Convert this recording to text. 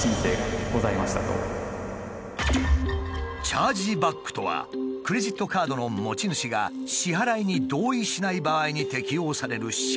「チャージバック」とはクレジットカードの持ち主が支払いに同意しない場合に適用される仕組み。